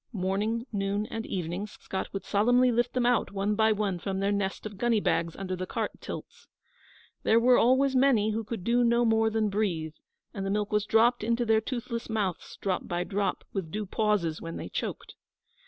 Morning, noon and evening Scott would solemnly lift them out one by one from their nest of gunny bags under the cart tilts. There were always many who could do no more than breathe, and the milk was dropped into their toothless mouths drop by drop, with due pauses when they choked.